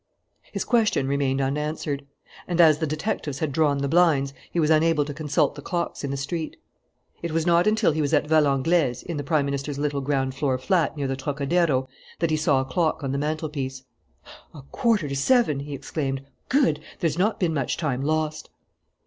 His question remained unanswered. And as the detectives had drawn the blinds, he was unable to consult the clocks in the street. It was not until he was at Valenglay's, in the Prime Minister's little ground floor flat near the Trocadero, that he saw a clock on the mantelpiece: "A quarter to seven!" he exclaimed. "Good! There's not been much time lost."